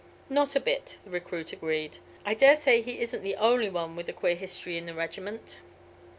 "Not a bit," the recruit agreed. "I dare say he isn't the only one with a queer history in the regiment."